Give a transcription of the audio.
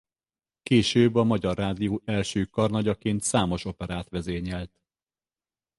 Később a Magyar Rádió első karnagyaként számos operát vezényelt.